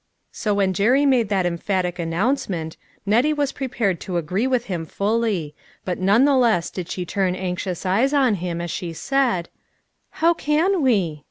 So when Jerry made that emphatic announcement, Nettie was pre pared to agree with him fully ; but none the less did she turn anxious eyes on him as she said: "How can we?